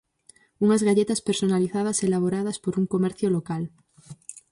Unhas galletas personalizadas elaboradas por un comercio local.